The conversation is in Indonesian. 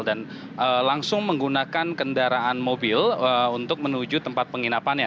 dan langsung menggunakan kendaraan mobil untuk menuju tempat penginapannya